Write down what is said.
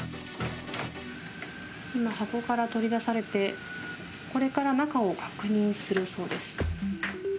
今、箱から取り出されてこれから中を確認するそうです。